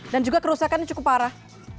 dan juga kerusakan cukup parah